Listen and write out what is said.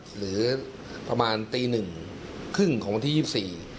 หรือประมาณตี๑ครึ่งของวันที่๒๔